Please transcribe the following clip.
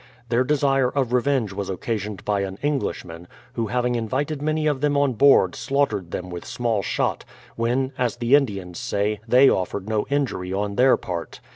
Their desire of revenge was occasioned by an Englishman, who having invited many of them on board slaughtered them with small shot, when, as the Indians say, they offered no injury on their part.